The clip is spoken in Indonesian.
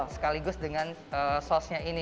sekaligus dengan sauce nya ini